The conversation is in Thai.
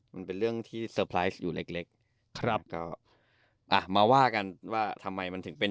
มันเป็นเรื่องที่เซอร์ไพรส์อยู่เล็กเล็กครับก็อ่ะมาว่ากันว่าทำไมมันถึงเป็น